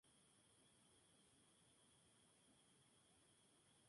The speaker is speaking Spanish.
De igual forma que fue campeón de boxeo amateur y judo.